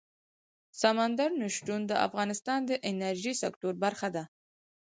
سمندر نه شتون د افغانستان د انرژۍ سکتور برخه ده.